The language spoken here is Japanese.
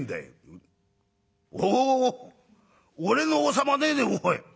「おおお俺の王様ねえぜおい。